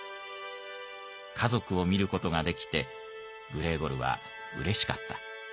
家族を見る事ができてグレーゴルはうれしかった。